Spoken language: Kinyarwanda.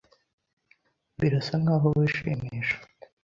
Birasa nkaho wishimisha.